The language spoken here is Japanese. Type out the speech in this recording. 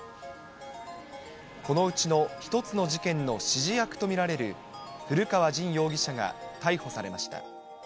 このうちの１つの事件の指示役と見られる、古川刃容疑者が逮捕されました。